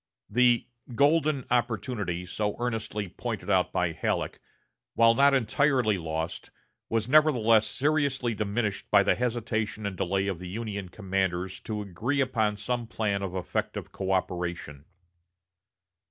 The "golden opportunity" so earnestly pointed out by Halleck, while not entirely lost, was nevertheless seriously diminished by the hesitation and delay of the Union commanders to agree upon some plan of effective coöperation.